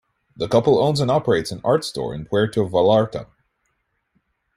The couple owns and operates an art store in Puerto Vallarta.